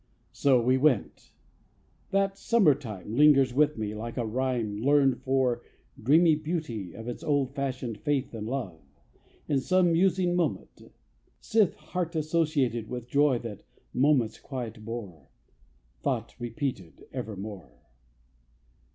So we went. That summer time Lingers with me like a rhyme Learned for dreamy beauty of Its old fashioned faith and love, In some musing moment; sith Heart associated with Joy that moment's quiet bore, Thought repeated evermore.